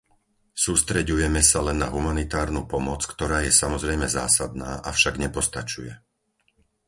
Sústreďujeme sa len na humanitárnu pomoc, ktorá je samozrejme zásadná, avšak nepostačuje.